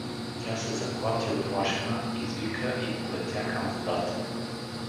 Тя се заклати уплашена, извика и полетя към водата.